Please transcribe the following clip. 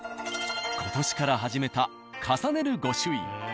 今年から始めた重ねる御朱印。